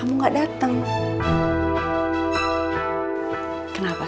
kamu tadi gak jadi lunch ya